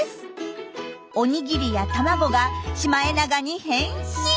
お握りや卵がシマエナガに変身！